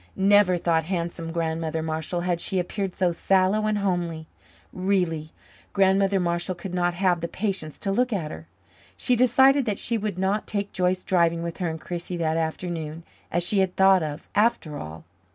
Never, thought handsome Grandmother Marshall, had she appeared so sallow and homely. Really, Grandmother Marshall could not have the patience to look at her. She decided that she would not take Joyce driving with her and Chrissie that afternoon, as she had thought of, after all.